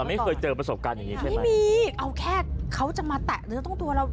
ไม่มีเอาแค่เค้าจะมาแตะเนื้อต้องตัวเรา